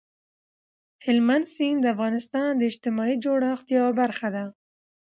هلمند سیند د افغانستان د اجتماعي جوړښت یوه برخه ده.